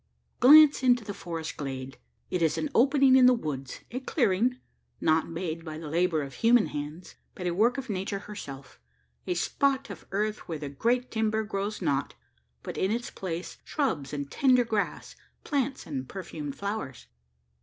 Glance into the forest glade! It is an opening in the woods a clearing, not made by the labour of human hands, but a work of Nature herself: a spot of earth where the great timber grows not, but in its place shrubs and tender grass, plants and perfumed flowers.